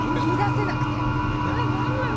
何なの？